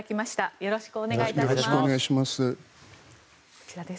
よろしくお願いします。